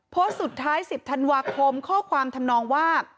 โพสต์สุดท้าย๑๐ธันวาคมข้อความทำนองว่า